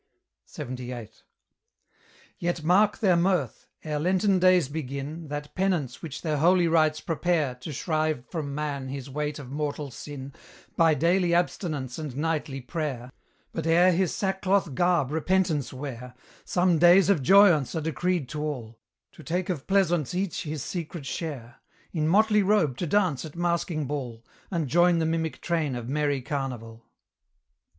LXXVIII. Yet mark their mirth ere lenten days begin, That penance which their holy rites prepare To shrive from man his weight of mortal sin, By daily abstinence and nightly prayer; But ere his sackcloth garb Repentance wear, Some days of joyaunce are decreed to all, To take of pleasaunce each his secret share, In motley robe to dance at masking ball, And join the mimic train of merry Carnival.